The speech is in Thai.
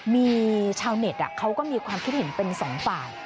มีชาวเน็ตเขาก็มีความคิดเห็นเป็นสองฝ่าย